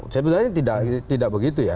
saya berpikir tidak begitu ya